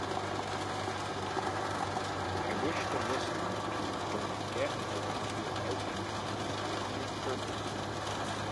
I wish to listen to Gonna Get Along Without Ya Now by Ian Curtis.